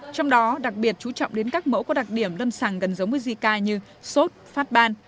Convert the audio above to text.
trong đó đặc biệt chú trọng đến các mẫu có đặc điểm lâm sàng gần giống với zika như sốt phát ban